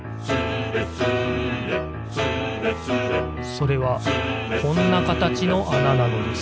それはこんなかたちのあななのです